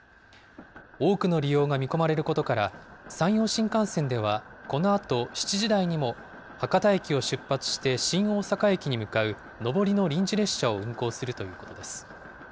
多くの利用が見込まれることから、山陽新幹線ではこのあと７時台にも博多駅を出発して新大阪駅に向かう上りの臨時列車を運行するということです。